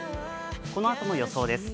このあとの予想です。